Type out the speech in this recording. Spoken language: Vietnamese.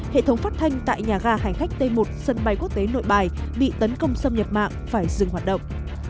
hệ thống phát thanh tại nhà ga hành khách t một sân bay quốc tế nội bài bị tấn công xâm nhập mạng phải dừng hoạt động